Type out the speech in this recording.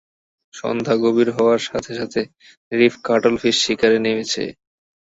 সন্ধ্যা গভীর হওয়ার সাথে সাথে রীফ কাটলফিশ শিকারে নেমেছে।